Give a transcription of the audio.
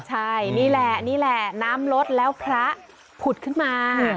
ใช่นี่แหละนี่แหละน้ำลดแล้วพระผุดขึ้นมา